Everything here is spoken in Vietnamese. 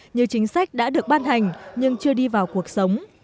nhiều chính sách đã được ban hành nhưng chưa đi vào cuộc sống